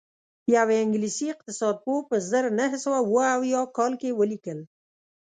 یوه انګلیسي اقتصاد پوه په زر نه سوه اووه اویا کال کې ولیکل